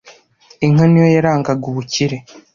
Inka ni yo yarangaga ubukire